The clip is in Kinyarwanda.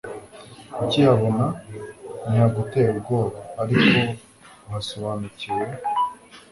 ukihabona ntihagutera ubwoba ariko uhasobanukiwe